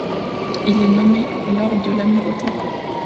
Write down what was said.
Il est nommé Lord de l'Amirauté.